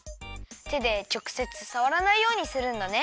手でちょくせつさわらないようにするんだね。